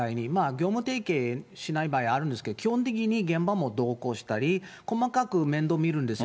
業務提携しない場合あるんですけど、基本的に現場も同行したり、細かく面倒見るんです。